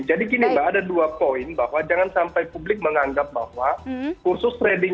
jadi gini mbak ada dua poin bahwa jangan sampai publik menganggap bahwa kursus tradingnya